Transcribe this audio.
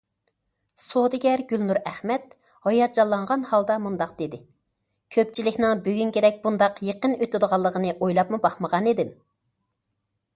سودىگەر گۈلنۇر ئەخمەت ھاياجانلانغان ھالدا مۇنداق دېدى: كۆپچىلىكنىڭ بۈگۈنكىدەك بۇنداق يېقىن ئۆتىدىغانلىقىنى ئويلاپمۇ باقمىغانىدىم.